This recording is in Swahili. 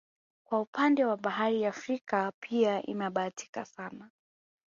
Kwa upande wa bahari Afrika pia imebahatika sana